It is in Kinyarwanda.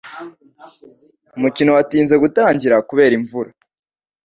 Umukino watinze gutangira kubera imvura .